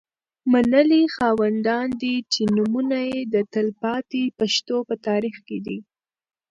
منلي خاوندان دي. چې نومونه یې د تلپا تي پښتو په تاریخ کي